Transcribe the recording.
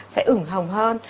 sẽ ửng hồng hơn